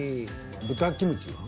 豚キムチは？